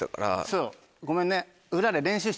そうごめんね。